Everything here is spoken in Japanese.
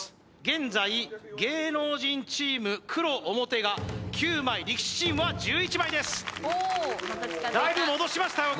現在芸能人チーム黒表が９枚力士チームは１１枚ですだいぶ戻しましたよ